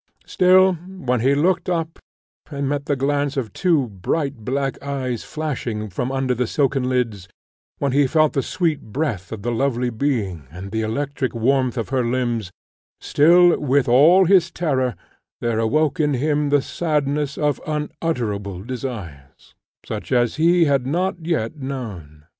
Still, when he looked up, and met the glance of two bright black eyes flashing from under the silken lids when he felt the sweet breath of the lovely being, and the electric warmth of her limbs still, with all his terror, there awoke in him the sadness of unutterable desires, such as he had not yet known.